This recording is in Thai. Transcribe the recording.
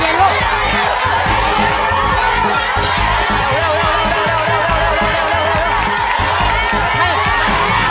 และสม่องพูดถึงทั้งหมด